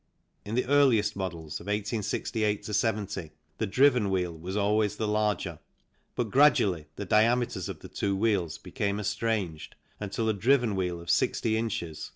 In the earliest models of 1868 70 the driven wheel was always the larger, but gradually the diameters of the two wheels became estranged until a driven wheel of 60 ins.